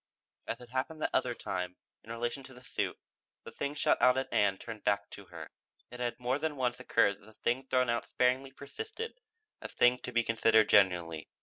As had happened that other time, in relation to the suit, the thing shot out at Ann turned back to her. It had more than once occurred that the thing thrown out sparingly persisted as thing to be considered genuinely.